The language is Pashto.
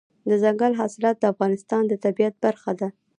دځنګل حاصلات د افغانستان د طبیعت برخه ده.